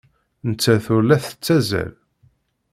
Nettat ur la tettazzal.